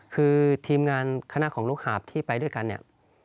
คือทีมงานคณะของลูกหาบที่ไปด้วยกันเนี่ย